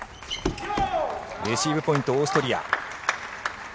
レシーブポイントオーストリア。